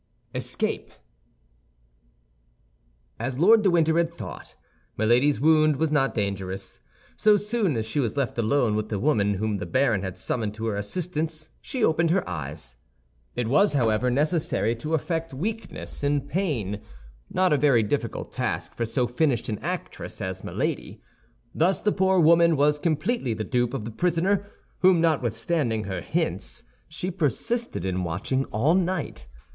ESCAPE As Lord de Winter had thought, Milady's wound was not dangerous. So soon as she was left alone with the woman whom the baron had summoned to her assistance she opened her eyes. It was, however, necessary to affect weakness and pain—not a very difficult task for so finished an actress as Milady. Thus the poor woman was completely the dupe of the prisoner, whom, notwithstanding her hints, she persisted in watching all night.